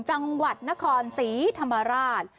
จังหวัดนครศรีธรรมราช